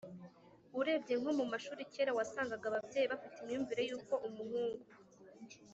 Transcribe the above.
. Urebye nko mu mashuri, kera wasangaga ababyeyi bafite imyumvire y’uko umuhungu